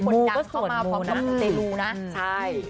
มูก็ส่วนมูนะใช่